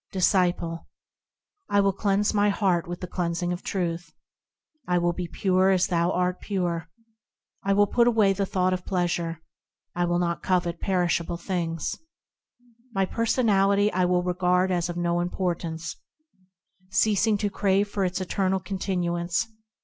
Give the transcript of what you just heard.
Disciple. I will cleanse my heart with the cleansing of Truth ; I will be pure as thou art pure ; I will put away the thought of pleasure ; I will not covet perishable things; My personality I will regard as of no importance, Ceasing to crave for its eternal continuance.